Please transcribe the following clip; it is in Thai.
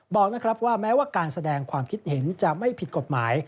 บอกนะครับว่าแม้ว่าการแสดงความคิดเห็นจะไม่ผิดกฎหมาย